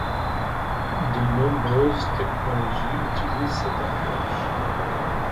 De nombreuses technologies utilisent cette approche.